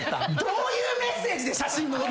どういうメッセージで写真載って。